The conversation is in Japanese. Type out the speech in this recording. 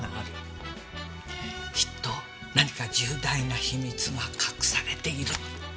きっと何か重大な秘密が隠されている！